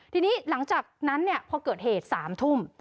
ทีนี้หลังจากนั้นพอเกิดเหตุ๓ทุ่ม